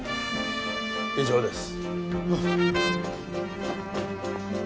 以上です。